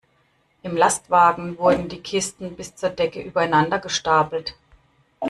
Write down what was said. Im Lastwagen wurden die Kisten bis zur Decke übereinander gestapelt.